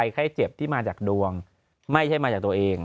ไข้เจ็บที่มาจากดวงไม่ใช่มาจากตัวเอง